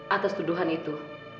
atas tuduhan itu